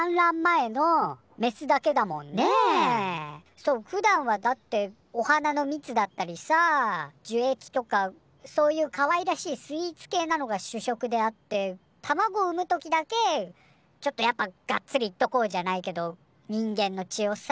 そうふだんはだってお花のミツだったりさ樹液とかそういうかわいらしいスイーツ系なのが主食であって卵を産むときだけちょっとやっぱガッツリいっとこうじゃないけど人間の血をさ。